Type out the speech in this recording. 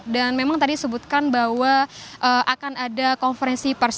dan memang tadi sebutkan bahwa akan ada konferensi pers